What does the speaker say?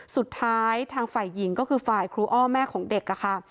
สุดท้ายทางฝ่ายหญิงก็คือฝ่ายครูอ้อแม่ของเด็กค่ะ